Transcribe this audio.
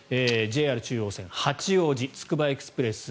ＪＲ中央線、八王子つくばエクスプレス